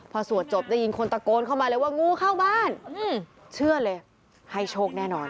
พอสวดจบได้ยินคนตะโกนเข้ามาเลยว่างูเข้าบ้านเชื่อเลยให้โชคแน่นอน